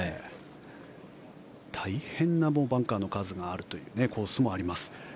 大変なバンカーの数があるというコースもあります。